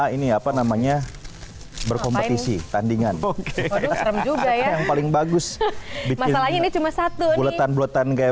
ini apa namanya berkompetisi tandingan yang paling bagus masalahnya cuma satu buletan buletan kayak